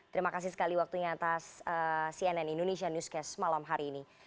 terima kasih sekali waktunya atas cnn indonesia newscast malam hari ini